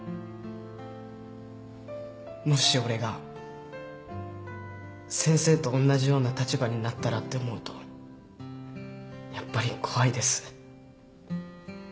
もし俺が先生とおんなじような立場になったらって思うとやっぱり怖いです。